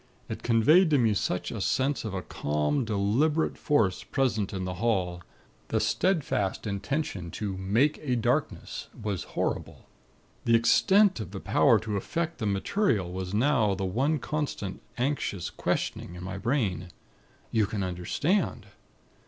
It conveyed to me such a sense of a calm Deliberate Force present in the hall: The steadfast intention to 'make a darkness' was horrible. The extent of the Power to affect the Material was horrible. The extent of the Power to affect the Material was now the one constant, anxious questioning in my brain. You can understand?